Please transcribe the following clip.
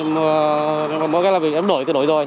mỗi cái là em đổi thì đổi rồi